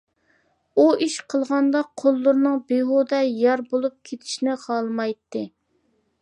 ئۇ، ئىش قىلغاندا قوللىرىنىڭ بىھۇدە يارا بولۇپ كېتىشنى خالىمايتتى.